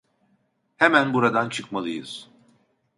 Hemen buradan çıkmalıyız.